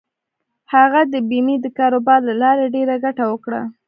هغه د بېمې د کاروبار له لارې ډېره ګټه وکړه.